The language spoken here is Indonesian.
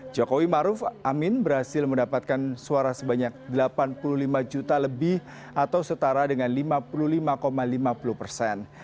jokowi maruf amin berhasil mendapatkan suara sebanyak delapan puluh lima juta lebih atau setara dengan lima puluh lima lima puluh persen